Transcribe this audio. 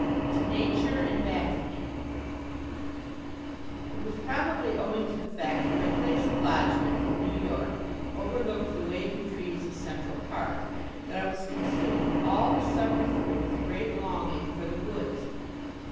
To Nature and Back Again It was probably owing to the fact that my place of lodgment in New York overlooked the waving trees of Central Park that I was consumed, all the summer through, with a great longing for the woods.